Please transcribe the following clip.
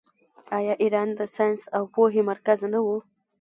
آیا ایران د ساینس او پوهې مرکز نه و؟